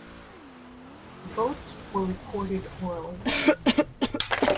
Votes were recorded orally.